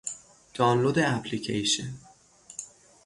دانلود اپلیکیشن